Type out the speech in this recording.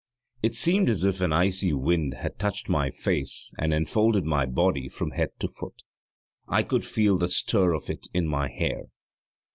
It seemed as if an icy wind had touched my face and enfolded my body from head to foot; I could feel the stir of it in my hair.